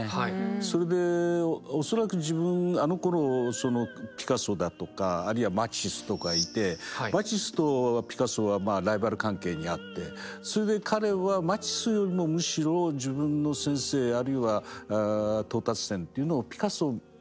それで恐らくあのころピカソだとかあるいはマティスとかいてマティスとピカソはライバル関係にあってそれで彼はマティスよりもむしろ自分の先生あるいは到達点というのをピカソの方向に見つけたんだと思いますね。